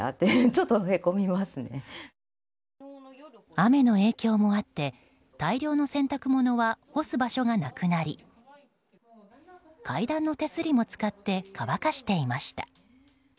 雨の影響もあって大量の洗濯物は干す場所がなくなり階段の手すりも使って乾かしていました。